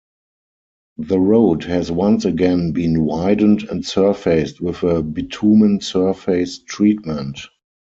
The road has once again been widened and surfaced with a Bitumen Surface Treatment.